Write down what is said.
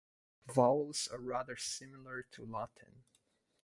Vowels are rather similar to Latin.